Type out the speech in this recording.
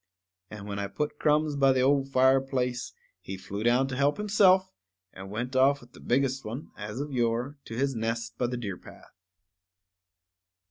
_ And when I put crumbs by the old fireplace, he flew down to help himself, and went off with the biggest one, as of yore, to his nest by the deer path.